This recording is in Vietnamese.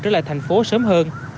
trở lại thành phố sớm hơn